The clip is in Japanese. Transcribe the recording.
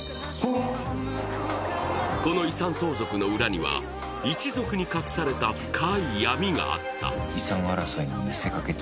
この遺産相続の裏には一族に隠された深い闇があった。